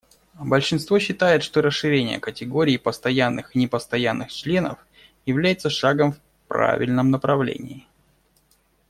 Большинство считает, что расширение категории постоянных и непостоянных членов является шагом в правильном направлении.